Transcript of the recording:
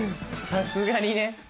さすがにね。